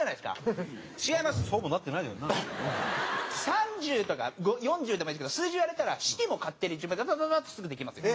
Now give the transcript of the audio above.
３０とか４０でもいいんですけど数字言われたら式も勝手にダダダダってすぐできますよ。